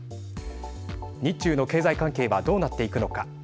日中の経済関係はどうなっていくのか。